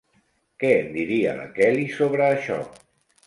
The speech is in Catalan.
Què en diria la Kelly, sobre això?